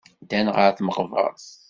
Ddan ɣer tmeqbert.